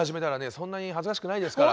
そんなに恥ずかしくないですから。